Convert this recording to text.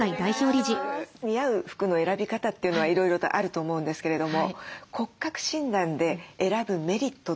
似合う服の選び方というのはいろいろとあると思うんですけれども骨格診断で選ぶメリットというのを教えて頂けますか？